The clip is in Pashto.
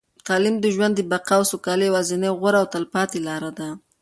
تعلیم د ژوند د بقا او سوکالۍ یوازینۍ، غوره او تلپاتې لاره ده.